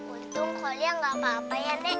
untung kau lihat enggak apa apa ya nek